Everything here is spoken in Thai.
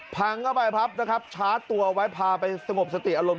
พังเข้าไปนะครับช้าตัวเอาไว้พาไปสงบสติอารมณ์